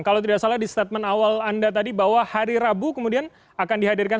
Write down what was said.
kalau tidak salah di statement awal anda tadi bahwa hari rabu kemudian akan dihadirkan